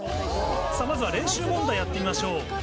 さぁまずは練習問題やってみましょう。